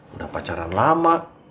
udah pacaran lama